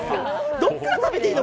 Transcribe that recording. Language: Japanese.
どこから食べていいの？